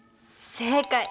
正解。